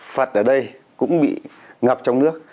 phật ở đây cũng bị ngập trong nước